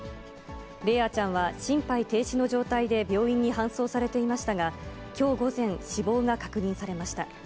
莉蒼ちゃんは心肺停止の状態で病院に搬送されていましたが、きょう午前、死亡が確認されました。